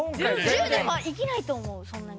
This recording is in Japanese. １０年は生きないと思うそんなに。